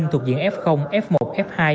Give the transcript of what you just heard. thuộc diện f f một f hai